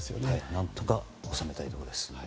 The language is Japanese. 何とか収めたいところです。